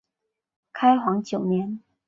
开皇九年。